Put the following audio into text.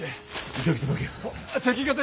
急ぎ届けよ。